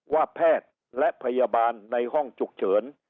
ว่าแพทย์และพยาบาลในห้องฉุกเฉิน